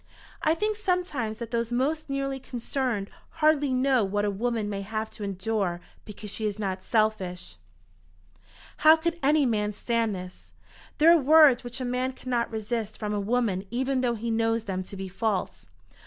"I think sometimes that those most nearly concerned hardly know what a woman may have to endure because she is not selfish." How could any man stand this? There are words which a man cannot resist from a woman even though he knows them to be false.